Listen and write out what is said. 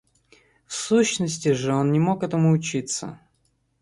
В сущности же он не мог этому учиться.